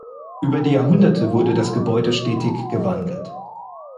Über die Jahrhunderte wurde das Gebäude stetig gewandelt.